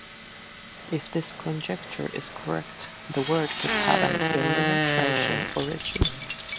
If this conjecture is correct, the word could have an "Illyro-Thracian" origin.